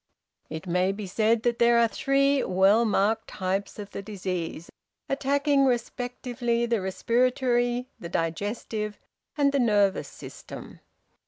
"`It may be said that there are three well marked types of the disease, attacking respectively the respiratory, the digestive, and the nervous system.'